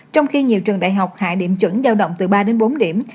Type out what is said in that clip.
trong khi nhiều trường đại học hạ điểm chuẩn giao động từ ba đến bốn điểm